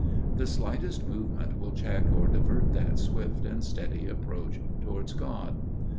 The slightest movement will check or divert that swift and steady approach towards God.